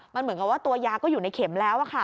มันเหมือนกับว่าตัวยาก็อยู่ในเข็มแล้วค่ะ